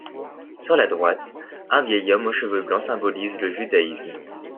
Sur la droite, un vieil homme aux cheveux blancs symbolise le judaïsme.